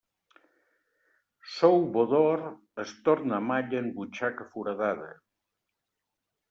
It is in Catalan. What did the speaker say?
Sou bo d'or, es torna malla en butxaca foradada.